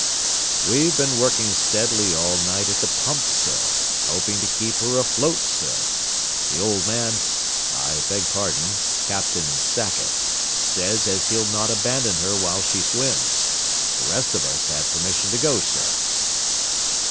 "We've been working steadily all night at the pumps, sir, hopin' to keep her afloat, sir. The old man I beg pardon, Captain Sackett, says as he'll not abandon her while she swims. The rest of us have permission to go, sir."